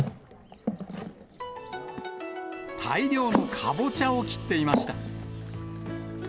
大量のかぼちゃを切っていました。